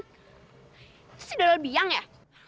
itu si daryl biang ya